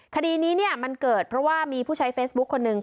คดีนี้มันเกิดเพราะว่ามีผู้ใช้เฟซบุ๊คคนหนึ่ง